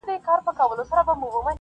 ځان دي هسي کړ ستومان په منډه منډه-